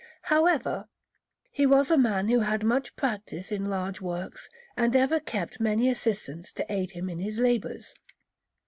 However, he was a man who had much practice in large works, and ever kept many assistants to aid him in his labours.